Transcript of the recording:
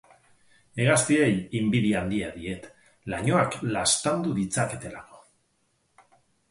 Hegaztiei inbidia handia diet lainoak laztandu ditzaketelako.